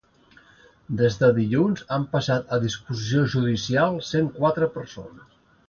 Des de dilluns, han passat a disposició judicial cent quatre persones.